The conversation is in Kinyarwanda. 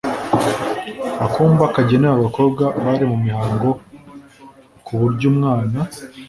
akumba kagenewe abakobwa bari mu mihango ku buryo umwana